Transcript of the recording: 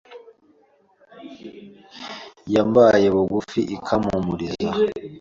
yambaye bugufi ikampumuriza.